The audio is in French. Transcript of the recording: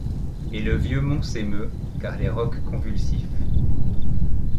Et le vieux mont s’émeut, car les rocs convulsifs